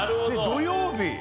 で土曜日。